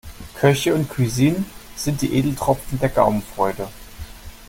Köche und Cuisine sind die Edeltropfen der Gaumenfreude.